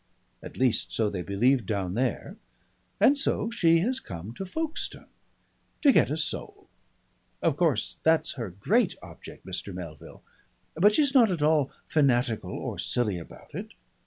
At least so they believe down there. And so she has come to Folkestone. To get a soul. Of course that's her great object, Mr. Melville, but she's not at all fanatical or silly about it.